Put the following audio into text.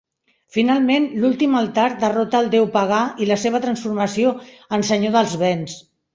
Finalment, l'últim altar derrota el Déu Pagà i la seva transformació en Senyor dels Vents.